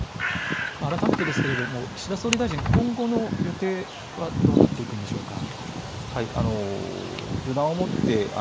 改めてですけれども岸田総理大臣今後の予定はどうなっていくんでしょうか。